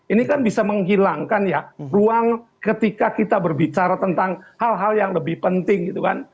ini kan bisa menghilangkan ya ruang ketika kita berbicara tentang hal hal yang lebih penting gitu kan